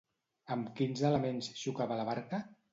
Amb quins elements xocava la barca?